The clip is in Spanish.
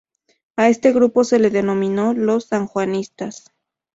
A este grupo se le denominó los Sanjuanistas.